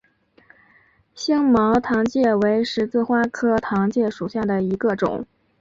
星毛糖芥为十字花科糖芥属下的一个种。